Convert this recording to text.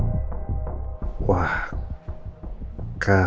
dia pasti akan berpikir